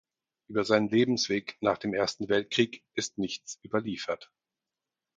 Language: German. Über seinen Lebensweg nach dem Ersten Weltkrieg ist nichts überliefert.